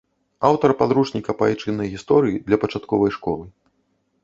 Аўтар падручніка па айчыннай гісторыі для пачатковай школы.